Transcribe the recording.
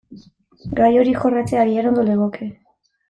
Gai hori jorratzea agian ondo legoke.